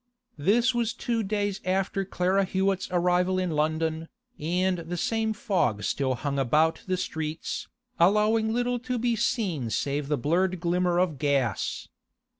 This was two days after Clara Hewett's arrival in London, and the same fog still hung about the streets, allowing little to be seen save the blurred glimmer of gas.